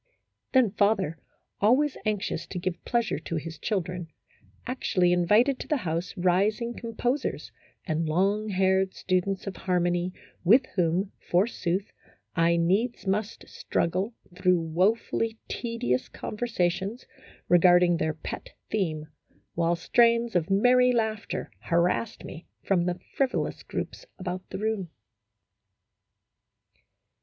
Then father, aways anxious to give pleasure to his children, actually invited to the house rising composers and long haired students of harmony with whom, forsooth, I needs must struggle through woe fully tedious conversations regarding their pet theme, while strains of merry laughter harassed me from the frivolous groups about the room.